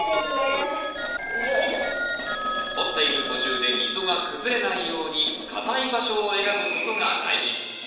掘っている途中で溝が崩れないように硬い場所を選ぶことが大事。